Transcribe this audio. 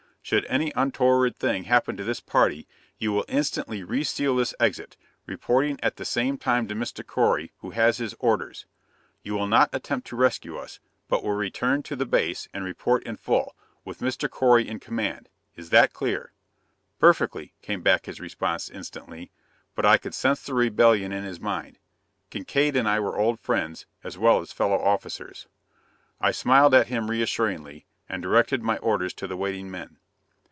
Should any untoward thing happen to this party, you will instantly reseal this exit, reporting at the same time to Mr. Correy, who has his orders. You will not attempt to rescue us, but will return to the Base and report in full, with Mr. Correy in command. Is that clear?" "Perfectly," came back his response instantly; but I could sense the rebellion in his mind. Kincaid and I were old friends, as well as fellow officers. I smiled at him reassuringly, and directed my orders to the waiting men.